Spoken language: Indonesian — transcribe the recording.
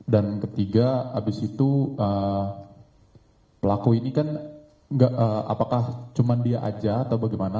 dan ketiga abis itu pelaku ini kan apakah cuma dia aja atau bagaimana